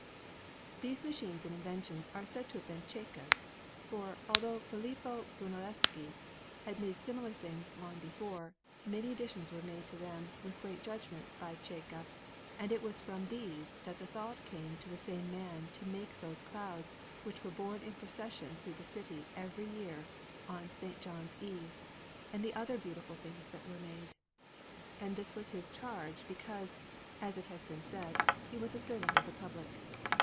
These machines and inventions are said to have been Cecca's, for, although Filippo Brunelleschi had made similar things long before, many additions were made to them with great judgment by Cecca; and it was from these that the thought came to the same man to make those Clouds which were borne in procession through the city every year on S. John's Eve, and the other beautiful things that were made. And this was his charge, because, as it has been said, he was a servant of the public.